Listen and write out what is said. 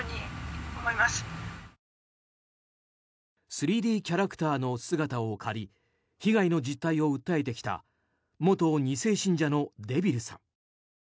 ３Ｄキャラクターの姿を借り被害の実態を訴えてきた元２世信者のデビルさん。